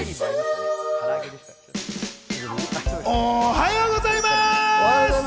おはようございます！